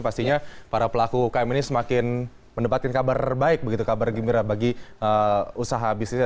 pastinya para pelaku ukm ini semakin mendapatkan kabar baik begitu kabar gembira bagi usaha bisnisnya